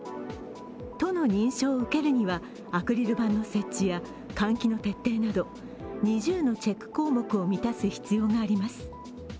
都の認証を受けるには、アクリル板の設置や換気の徹底など２０のチェック項目を満たす必要があります。